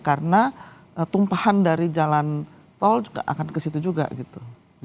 karena tumpahan dari jalan tol juga akan ke situ juga gitu